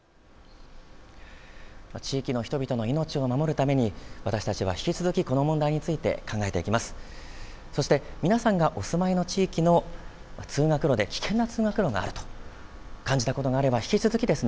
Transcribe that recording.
地域の人々の命を守るために私たちは引き続きこの問題について考えていきます。